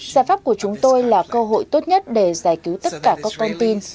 giải pháp của chúng tôi là cơ hội tốt nhất để giải cứu tất cả các con tin